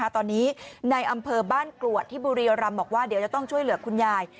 ตอนนี้ในอำเภอบ้านกรวดที่บุรีรำบอกว่าเดี๋ยวจะต้องช่วยเหลือคุณยาย